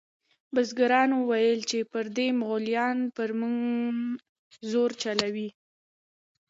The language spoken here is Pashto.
بزګرانو ویل چې پردي مغولیان پر موږ زور چلوي.